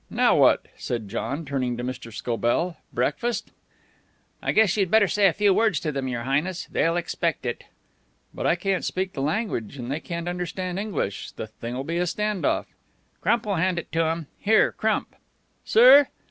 "Now, what?" said John, turning to Mr. Scobell. "Breakfast?" "I guess you'd better say a few words to them, Your Highness; they'll expect it." "But I can't speak the language, and they can't understand English. The thing'll be a stand off." "Crump will hand it to 'em. Here, Crump." "Sir?"